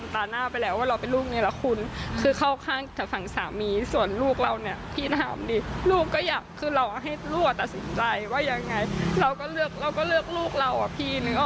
ถ้าพ่อจะแจ้งจับแฟนหนูหนูก็ไม่ว่าอะไร